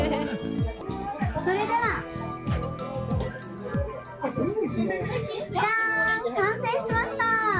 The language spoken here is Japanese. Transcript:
それでは、じゃーん、完成しました。